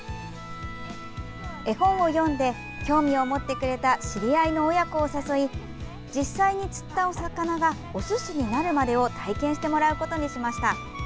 絵本を読んで興味を持ってくれた知り合いの親子を誘い実際に釣ったお魚がおすしになるまでを体験してもらうことにしました。